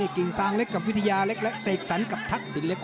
กิ่งซางเล็กกับวิทยาเล็กและเสกสรรกับทักษิณเล็ก